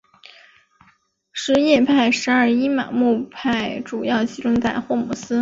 什叶派十二伊玛目派主要集中在霍姆斯。